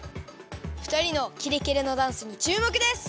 ふたりのキレキレのダンスにちゅうもくです！